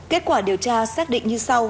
kết quả điều tra xác định như sau